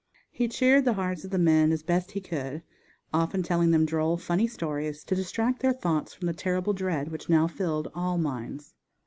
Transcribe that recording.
He cheered the hearts of the men as best he could, often telling them droll, funny stories to distract their thoughts from the terrible dread which now filled all minds.